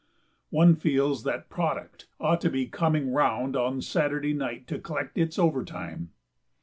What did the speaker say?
One feels that "product" ought to be coming round on Saturday night to collect its overtime.